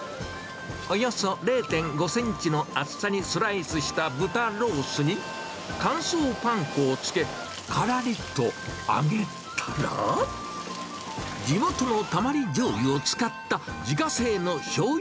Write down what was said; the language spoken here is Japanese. およそ０．５センチの厚さにスライスした豚ロースに、乾燥パン粉をつけ、からりと揚げたら、地元のたまりじょうゆを使った自家製のしょうゆ